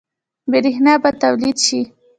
برښنا به تولید شي؟